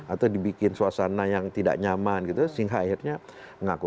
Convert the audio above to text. atau dibikin suasana yang tidak nyaman gitu sehingga akhirnya mengaku